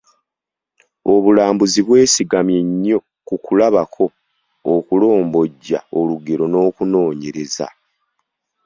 Obulambuzi bwesigamye nnyo ku kulabako, okulombojja olugero n’okunoonyereza.